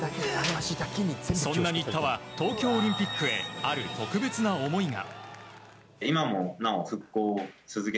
そんな新田は東京オリンピックへある特別な思いが。